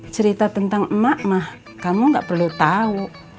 cerita tentang emak mah kamu engga perlu tau